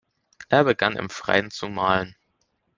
Er begann, im Freien zu malen.